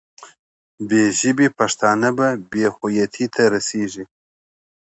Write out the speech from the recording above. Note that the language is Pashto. بې ژبې پښتانه به بې هویتۍ ته رسېږي.